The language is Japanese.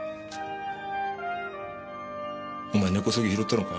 お前根こそぎ拾ったのか？